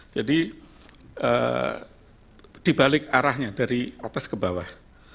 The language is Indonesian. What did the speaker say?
jadi dibalik arahnya dari atas ke bawah